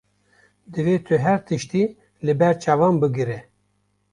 Divê tu her tiştî li ber çavan bigire.